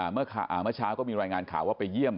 เมื่อเช้าก็มีรายงานข่าวว่าไปเยี่ยม